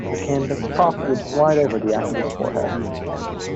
The canvas top would slide over the actor's forehead.